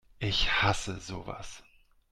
Ich hasse sowas!